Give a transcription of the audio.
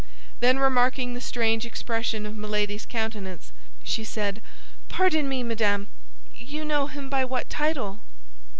Then remarking the strange expression of Milady's countenance, she said, "Pardon me, madame; you know him by what title?"